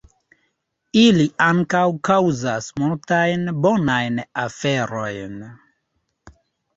Ili ankaŭ kaŭzas multajn bonajn aferojn.